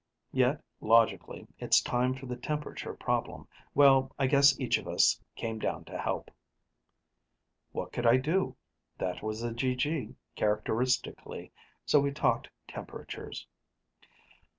Yet logically, it's time for the temperature problem well, I guess each of us came down to help." What could I do? That was the GG, characteristically, so we talked temperatures.